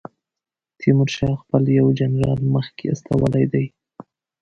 تیمورشاه خپل یو جنرال مخکې استولی دی.